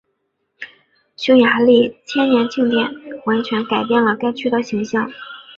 匈牙利千年庆典完全改变了该区的形象。